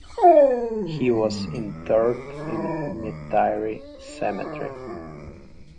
He was interred in Metairie Cemetery.